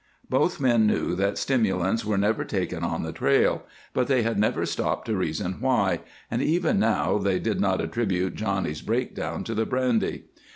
Both men knew that stimulants are never taken on the trail, but they had never stopped to reason why, and even now they did not attribute Johnny's breakdown to the brandy.